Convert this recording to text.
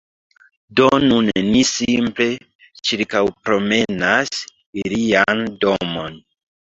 Do nun ni simple ĉirkaŭpromenas ilian domon.